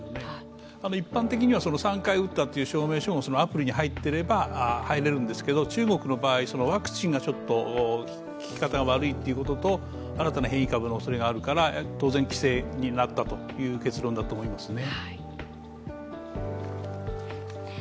一般的には３回打ったという証明書がアプリに入っていれば入れるんですけど、中国の場合、ワクチンが効き方が悪いということと新たな変異株のおそれがあるから当然規制になったという結論だと思いますね。